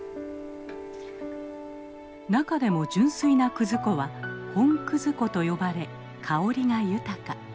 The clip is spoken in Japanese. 中でも純粋な葛粉は本葛粉と呼ばれ香りが豊か。